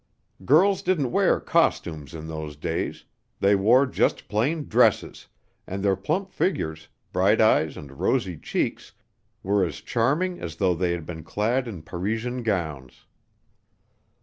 Girls didn't wear "costumes" in those days; they wore just plain dresses, and their plump figures, bright eyes and rosy cheeks were as charming as though they had been clad in Parisian gowns.